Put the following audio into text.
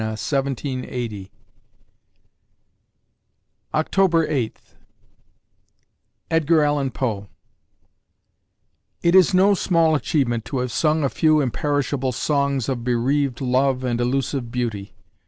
1780_ October Eighth EDGAR ALLAN POE It is no small achievement to have sung a few imperishable songs of bereaved love and illusive beauty.